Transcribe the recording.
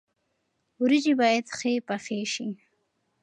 ورجې باید ښې پخې شي.